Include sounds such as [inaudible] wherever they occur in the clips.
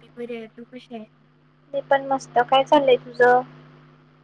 मी बरी आहे तू. विषय. मी पण मस्त काय चाललंय तुझ.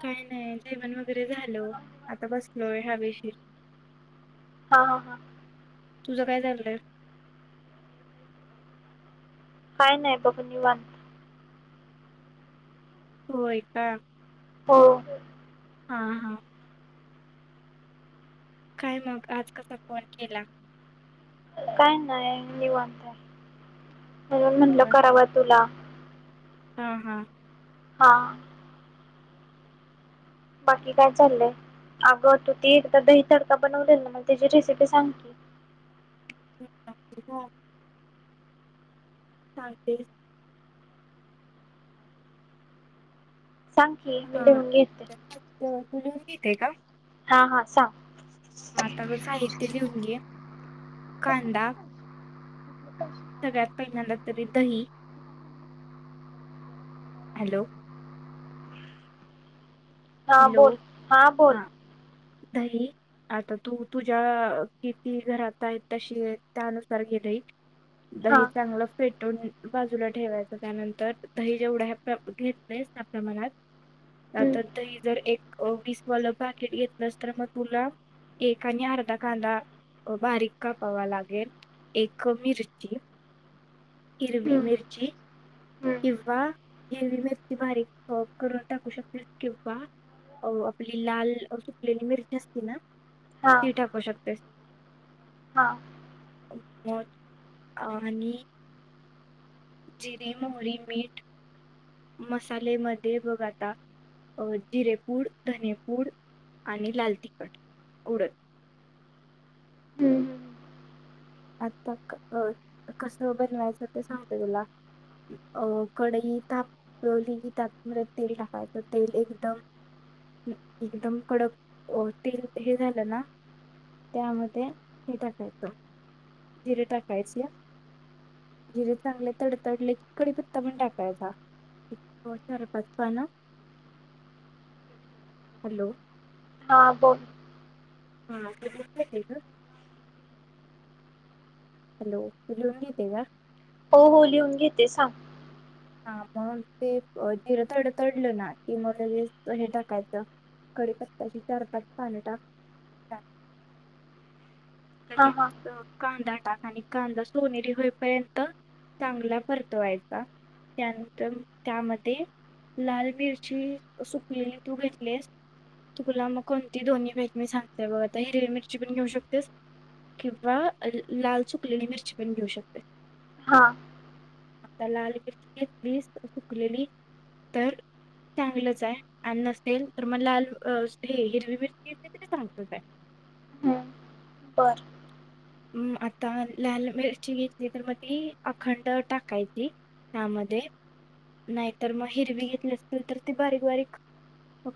काही नाही जेवण वगैरे झाल आता बसलोय हवेशीर. हा हा हा. तुझं काय चाललंय. काय नाही बघू निवांत. होय का. हो. हा हा. काय मग आज कसा फोन केला. काय नाही निवांत आहे. बर म्हंटलं होय कराव तुला हा हा. हा. बाकी काय चाललंय अगं तू ती एकदा दही तडका बनवलेल ना म त्याची रेसिपी सांग की. [unintelligible] सांगतेस सांग की मी हा लिहून घेते. साहित्य तू लिहून घेते का? हा हा सांग. मातावर साहित्य लिहून घे कांदा सगळ्यात पहि तरी दही हॅलो हा हॅलो बोल हा बोल. दही आता तू तुझ्या किती घरात आहेत त्यानुसार घे दही दही हा. चांगलं फेटून बाजूला ठेवायच त्यानंतर दही जेवढ्या घेतले त्या प्रमाणात हम्म. तर दही जर एक वीसवालं पाकिट घेतलंस तर मग तुला एक आणि अर्धा कांदा बारीक कापावा लागेल एक मिरची हिरवी हम्म. मिरची हम्म. किंवा हिरवी मिरची बारीक करून टाकू शकते किंवा अ आपली लाल सुकलेली मिरची असते ना हा. ती टाकू शक तेस. हा. म आणि जिरीे, मोहरी, मीठ मसालेमध्ये बघ आता जिरेपूड धनेपूड आणि लाल तिखट उडत हम्म हम्म. आता कसं बनवायचं ते सांगतेय तुला अं कडई तापवली की ताप म तेल टाकायचं तेल एकदम एकदम कडक अ तेल हे झालं ना त्यामध्ये हे टाकायचं जिरे टाकायचे या जिरे चांगले तडतडले कडीपत्ता पण टाकायचा चार पाच पान हॅलो हा ब हाे हॅलो तू लिहून घेते का हो हो लिहून घेते सांग हा मग ते जिर तड तडलं ना की मगे हे टाकायचं कडीपत्ताची चार पाच पान टाक हा हा. कदाार आणि कांदा सोनेरी होईपर्यंत चांगला परतवायचा त्यानंतर त्यामध्ये लाल मिरची सुकलेली तू घेतलेस तुुला मग कोणती दोन्ही भेट मी सांगताय बघ आता हिरवी मिरची पण घेऊ शकतेस किंवा लाल सुकलेली मिरची पण घेऊ शकतेस हा आता लाल र सुकलेली तर चांगलंच आहे आणि नसेल तर मग लाल हिरवी मिरची असली तरी चांगतच आहे पर आता लाल मिरची घेतली तर मग ती अखंड टाकायची त्यामध्ये नाहीतर मग हिरवी घेतली असतीलल तर ती बारीक बारीक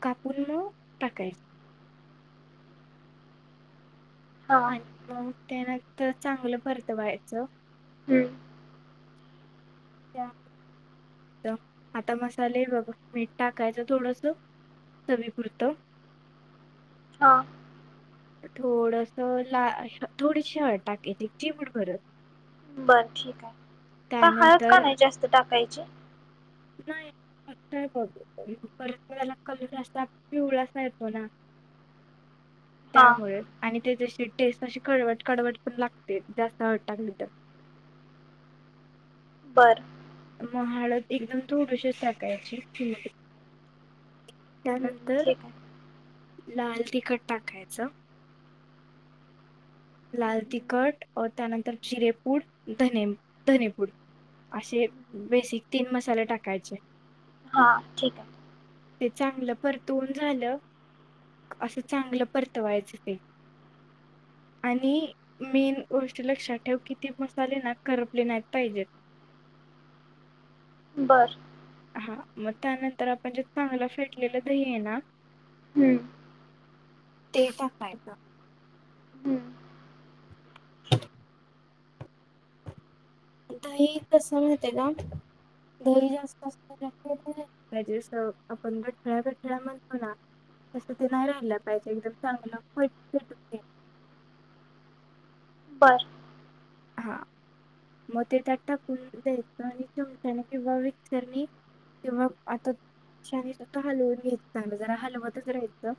कापून मग टाकायची हा ते नत चांगलं पररतवायचं हम्म, त्या आता मसाले बघ मीठ टाकायचं थोडस चवीपुरत हा थोडस ला थोडी शट टाकायची चिमड कररत बर ठीक आहे का हळद का त्यानंतर नाही जास्त टाक कायचे नाही परतला कलर जा पिवळासा येतो ना हा त्यामुळे आणि ते टेस्ट अशी कळवट कळवट पण लागते जास्त हळ टाकली तर बरं म हळद एकदम थोडस साकायची चिमडी हम्म, त्यानंतर ठीक आहे लाल तिखट टाकायचं लाल हम्म, तिखट त्यानंतर जिरेपूड धने धनेपूड असे हम्म. बेसिक तीन मसाले टाकायचे हा ठीक आहे ते चांगलं परतवून झालं असं चांगलं परतवायचं ते आणि मेन गोष्ट लक्षात ठेव कि ते मसाले ना करपले नाहीत पाहिजेत बर हा मग त्यानंतर आपण जे चांगलं फेटलेलं दही आहे ना हम्म, ते टाकायचं हम्म, दही कसं माहत ना दही जास्त असतस्त नाही रा पाहिजे जसं आपण गठठळ्या गठठळ्या म्हणतो ना तसं ते नाही राहिला पाहिजे एकदम चांगलं फटट बर हा मग ते त्यात टाकून द्यायचं आणि चमच्याने किंवा मिक्सरनी किंवा आताशने सु हलवून घ्यायच चांगलं जरा हलवतच राहायचं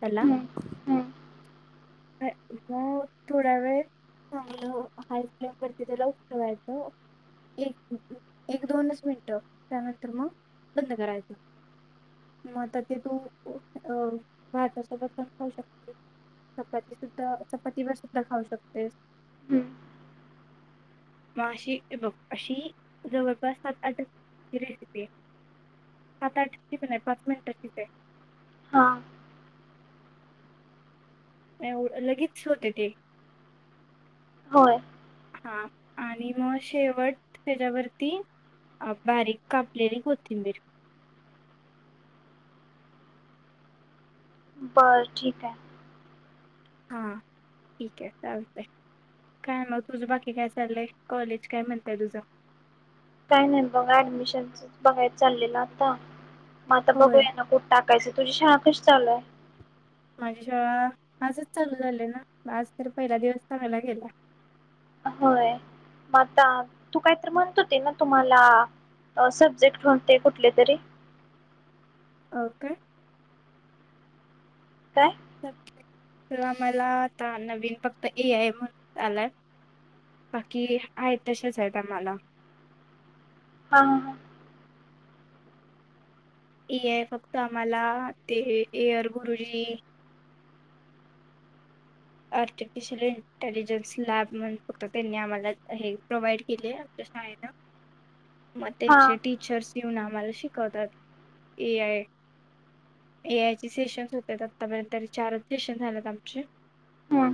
त्याला हम्म, हम्म, मग थोडा वेळ चांगलं हाय फ्लेम वरती त्याला उटवायचं एक एक दोनच मिनटं त्यानंतर मग बंद करायचं मग तर ते तू भातसोबत पण खाऊ शकतेस चपाती सुद्धा चपातीवर सुद्धा खाऊ शकतेस हम्म. माशी बघ अशी जवळपास सात आठची रेसिपी आहे सात आठची पण आहे पाच मिनिटाचीच आहे हा लगेच होते ते होय हा आणि मग शेवट त्याच्यावरती बारीक कापलेली कोथिंबीर. बर ठीक आहे. हा ठीक आहे चालतंय काय मग तुझं बाकी काय चाललंय कॉलेज काय म्हणतय तुझं. काय नाही बघा ऍडमिशनच बघायला चाललेलं आता. म बघू होय ना कुठ आता काय तुझी शाळा कशी चालू आहे. माझी शाळा आजच चालू झाली ना आज तर पहिला दिवस चांगला गेला. होय मग आता तू काहीतरी म्हणत होती ना तुम्हाला सब्जेक्ट कोणते? कुठले तरी? अ काय? काय? तुला मला आता नवीन फक्त ए आय म्हणून आलाय. बाकी आहे तशेच आहेत आम्हाला. हा. ए आय फक्त आम्हाला ते एअर गुरुजी आर्टिफिशियल इंटेलिजन्स लॅब म्हण फक्त त्यांनी आम्हाला हे प्रोव्हाइड केले आमच्या शाळेनं. म हां त्यांचे टीचर्स येऊन आम्हाला शिकवतात. ए आय, ए आय चे सेशनस होते आतापर्यंत चारच सेशन झालेत आमचे. हं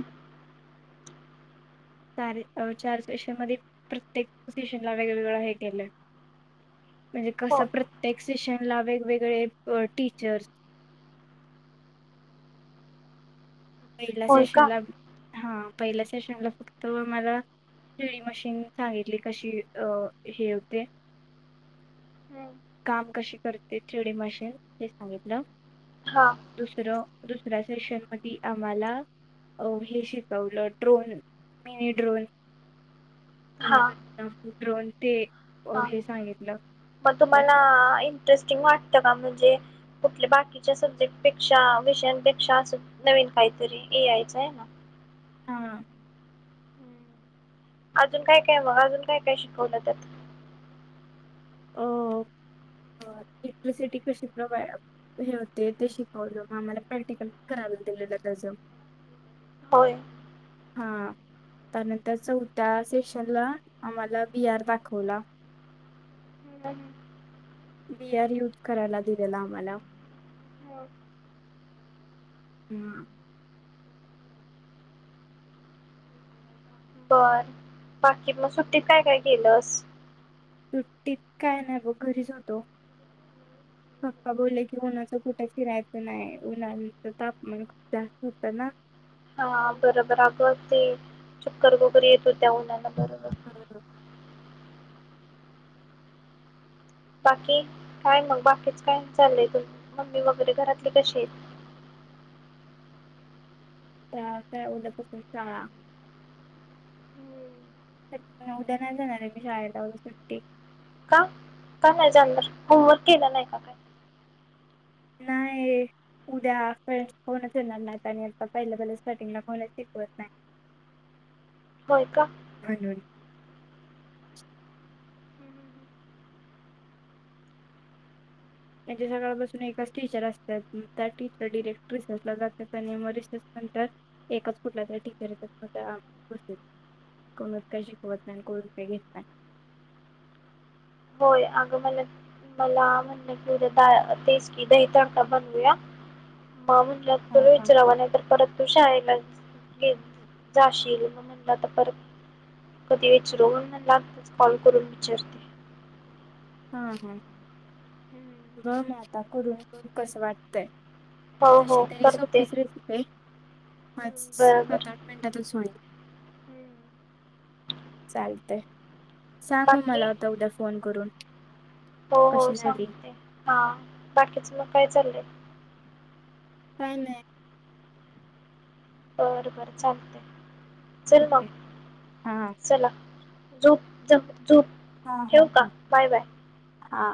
चार सेशन मध्ये प्रत्येक पोझिशन ला वेगवेगळं हे केलंय म्हणजे हो कस प्रत्येक सेशन ला वेगवेगळेअ टीचर्स. [inaudible] पहिल्या होय का सेशनला हा पहिल्या सेशनला फक्त मला थ्रीडी मशीन सांगितली कशी अ हे होते. हम्म. [inaudible] काम कशी करते थ्रीडी मशीन हे सांगितलं. हां [inaudible] दुसरं दुसऱ्या सेशन मधी आम्हाला अ हे शिकवलं ड्रोन मिनी ड्रोन [unintelligible] ड्रोन ते अ, हा हे सांगितलं मग पण तुम्हाला इंटरेस्टिंग वाटत का? म्हणजे कुठल्या बाकीच्या सब्जेक्टपेक्षा, विषयांपेक्षा अस नवीन काहीतरी ए आय च आहे ना. हां हम्म. अजून काय, काय मग? अजून काय काय शिकवलं त्यात. अ इलेक्ट्रिसिटी कशी प्रोव्हाईड हे होते ते शिकवलं. मग आम्हाला प्रॅक्टिकल करायला दिलेलं त्याचं. होय. हा त्यानंतर चौथ्या सेशनला आम्हाला व्ही आर दाखवला. हम्म. वी आर यूज करायला दिले ला आम्हाला. [inaudible] हम्. बर बाकी मग सुट्टीत काय काय केलस? सुट्टी त काय नाही बघ घरीच होतो. पप्पा बोलले की उन्हाचं कुठे फिरायचं नाही उन्हाच तापमान खूप जास्त होत ना. हा बरोबर अगं ते चक्कर वगैरे येत होत्या उन्हान. बरोबर. हां. बाकी काय मग बाकीच काय चाललंय? त मम्मी वगैरे घरातले कसे आहेत? तर उद्यापासून शाळा, हम्म. उद्या नाही जाणार आहे मी शाळेला उद्या सुट्टी. का का नाही जाणार? होमवर्क केला नाही का? [inaudible] नाही उद्या पण कोनच येणार नाहीत आणि आता पहिल्या, पहिल्या स्टार्टिंगला कोण च शिकवत नाही. होय का? [inaudible] त्यांच्या सकाळपासून एकाच टीचर असतात ह त्याच टीचर डिरेक्ट रिसेसला जातात आणि म रिसेस नंतर एकच कुठल्या तरी टीचर येतात मग त्या बस्त्यात. कोणच काही शिकवत नाही आणि कोणच काही घेत नाही. होय अगं मला, मला म्हणले तेच की दही तडका बनवूया. मा म्हटल्या हा तुला हा विचारावा नाही तर परत तू शाळेला. जाशील मग म्हणला तर परत कधी विचारू मग म्हंटले आताच कॉल करून विचारते हा हा म म आता करून कस वाटतय. हो तशी हो तरी करते सोपीच रेसिपी आहे. आज बरोबर सात आठ मिनिटातच होईल. चालतंय. सांग मग बाकी मला होता उद्या फोन करून. हो हो कशी झाली सांगते हा बाकीच लोक आहेत. चालले. काय नाही. बर बर चालतंय. चल ठीक मग आहे हा चला. झोप जा. झोप हा ठेवू हा का बाय बाय. हा.